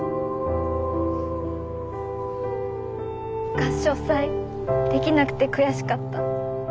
合唱祭できなくて悔しかった。